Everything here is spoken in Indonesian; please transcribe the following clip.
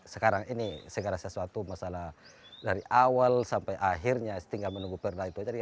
sekarang ini segera sesuatu masalah dari awal sampai akhirnya setinggal menunggu pernah itu jadi